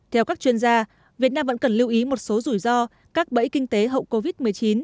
theo các chuyên gia việt nam vẫn cần lưu ý một số rủi ro các bẫy kinh tế hậu covid một mươi chín